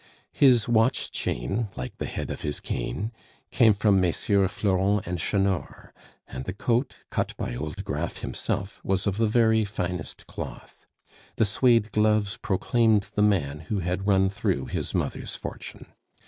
His watch chain, like the head of his cane, came from Messrs. Florent and Chanor; and the coat, cut by old Graff himself, was of the very finest cloth. The Suede gloves proclaimed the man who had run through his mother's fortune.